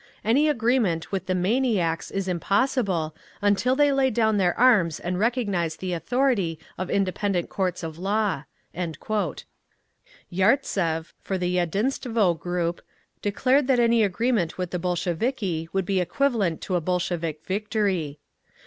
"Any agreement with the maniacs is impossible until they lay down their arms and recognise the authority of independent courts of law…." Yartsev, for the Yedinstvo group, declared that any agreement with the Bolsheviki would be equivalent to a Bolshevik victory….